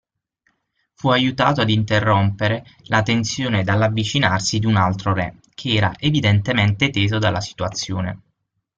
Fu aiutato ad interrompere la tensione dall'avvicinarsi di un altro re, che era evidentemente teso dalla situazione.